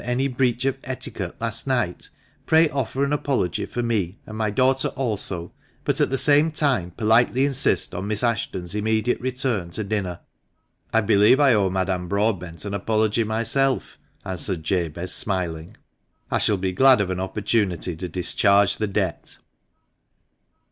any breach of etiquette last night, pray offer an apology for me and my daughter also, but at the same time politely insist on Miss Ashton's immediate return to dinner." " I believe I owe Madame Broadbent an apology myself," answered Jabez, smiling. " I shall be glad of an opportunity to discharge the debt."